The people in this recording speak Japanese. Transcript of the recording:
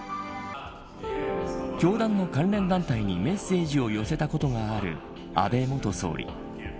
教団の関連団体にメッセージを寄せたことがある安倍元総理。